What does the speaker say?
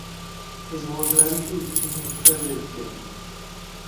Ezvoradilarku ustingdan kulaverib dedim.